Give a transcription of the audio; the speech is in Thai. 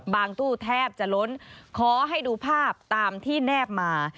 ตู้แทบจะล้นขอให้ดูภาพตามที่แนบมา